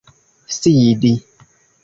sidi